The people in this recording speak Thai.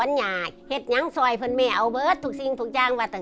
หาจดเส้นเกือบหมดเนื้อหมด